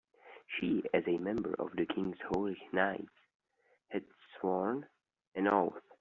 She, as a member of the king's holy knights, had sworn an oath.